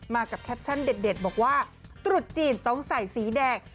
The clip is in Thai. มากับแคปชั่นเด็ดบอกว่าตรุษจีนต้องใส่สีแดง